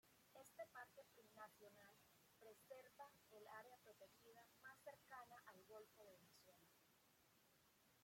Este Parque Nacional preserva el área protegida más cercana al Golfo de Venezuela.